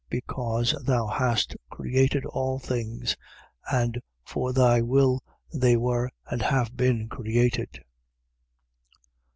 Because thou hast created all things: and for thy will they were and have been created.